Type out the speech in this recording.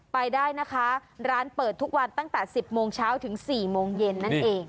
ไปได้นะคะร้านเปิดทุกวันตั้งแต่๑๐โมงเช้าถึง๔โมงเย็นนั่นเอง